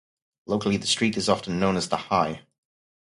Locally the street is often known as "The High".